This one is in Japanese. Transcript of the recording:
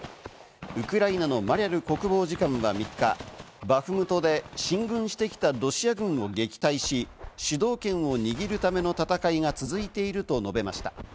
ウクライナのマリャル国防次官が３日、バフムトで進軍してきたロシア軍を撃退し、主導権を握るための戦いが続いていると述べました。